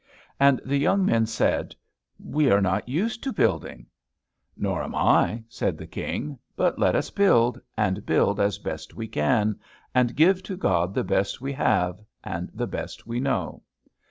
And the young men said, "We are not used to building." "Nor am I," said the King; "but let us build, and build as best we can, and give to God the best we have and the best we know."